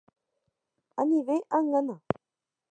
Anive angána